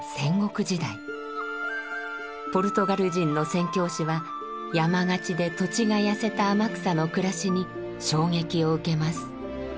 ポルトガル人の宣教師は山がちで土地が痩せた天草の暮らしに衝撃を受けます。